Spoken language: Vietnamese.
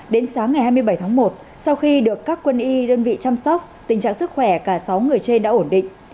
đến sáng ngày hai mươi bảy tháng một sau khi được các quân y đơn vị chăm sóc tình trạng sức khỏe cả sáu người trên đã ổn định